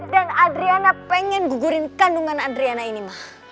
dan adriana pengen gugurin kandungan adriana ini ma